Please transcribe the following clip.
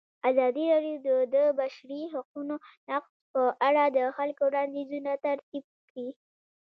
ازادي راډیو د د بشري حقونو نقض په اړه د خلکو وړاندیزونه ترتیب کړي.